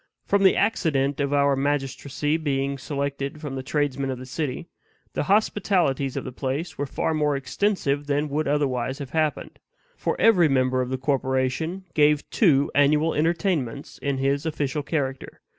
From the accident of our magistracy being selected from the tradesmen of the city, the hospitalities of the place were far more extensive than would otherwise have happened; for every member of the corporation gave two annual entertainments in his official character.